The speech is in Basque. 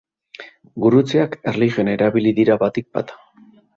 Gurutzeak, erlijioan erabili dira batik bat.